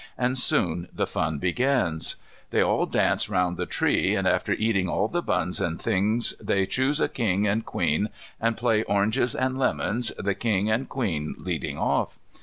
And soon the fun begins. They all dance round the tree, and after eating all the buns and things they choose a King and Queen, and play Oranges and Lemons, the King and Queen leading off.